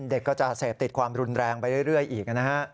เด็กก็จะเสพติดความรุนแรงไปเรื่อยอีกนะฮะ